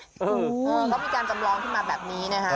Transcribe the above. เขามีการจำลองขึ้นมาแบบนี้นะฮะ